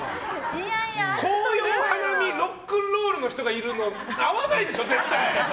紅葉花見ロックンロールの人がいたら合わないでしょ、絶対。